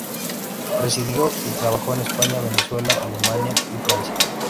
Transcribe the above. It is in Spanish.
Residió y trabajó en España, Venezuela, Alemania y Francia.